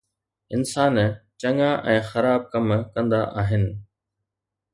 انسان چڱا ۽ خراب ڪم ڪندا آهن